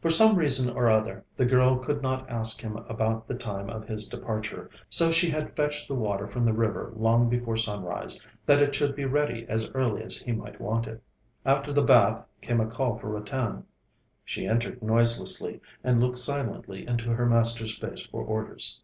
For some reason or other, the girl could not ask him about the time of his departure, so she had fetched the water from the river long before sunrise, that it should be ready as early as he might want it. After the bath came a call for Ratan. She entered noiselessly, and looked silently into her master's face for orders.